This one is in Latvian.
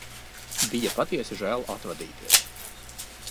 Bija patiesi žēl atvadīties.